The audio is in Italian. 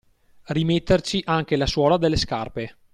Rimetterci anche la suola delle scarpe.